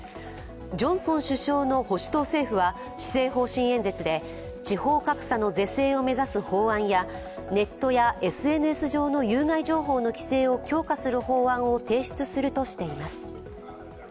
ジョンソン首相の保守党政府は施政方針演説で地方格差の是正を目指す法案やネットやＳＮＳ上の有害情報の規制を強化する法案を提出するとしています。